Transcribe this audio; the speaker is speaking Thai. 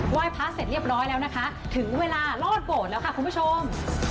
ไหว้พระเสร็จเรียบร้อยแล้วนะคะถึงเวลารอดโบสถแล้วค่ะคุณผู้ชม